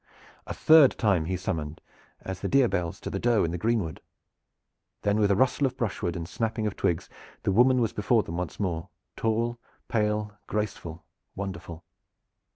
A third time he summoned, as the deer bells to the doe in the greenwood. Then with a rustle of brushwood and snapping of twigs the woman was before them once more, tall, pale, graceful, wonderful.